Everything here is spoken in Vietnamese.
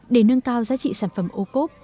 để nâng cao giá trị sản phẩm ô cốp